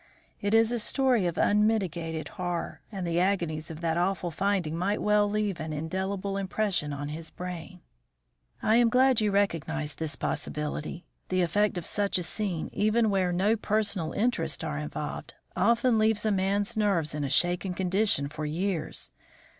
It is a story of unmitigated horror, and the agonies of that awful finding might well leave an indelible impression on his brain." "I am glad you recognise this possibility. The effect of such a scene, even where no personal interests are involved, often leaves a man's nerves in a shaken condition for years.